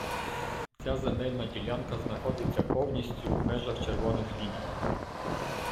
Ця земельна ділянка знаходиться повністю в межах червоних ліній.